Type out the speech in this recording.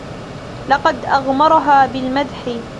لقد أغمرها بالمدح.